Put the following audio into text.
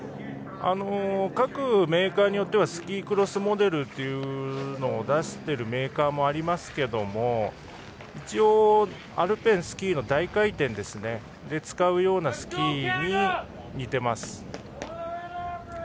各メーカーによってはスキークロスモデルというのを出しているメーカーもありますが一応、アルペンスキーの大回転で使うようなスキーに似てます。